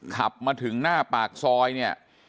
ขับมาถึงหน้าปากซอยเนี่ย